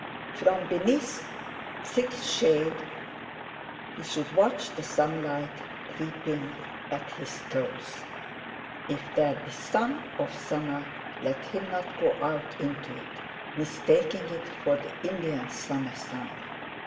From beneath thick shade he should watch the sunlight creeping at his toes. If there be sun of summer, let him not go out into it, mistaking it for the Indian summer sun!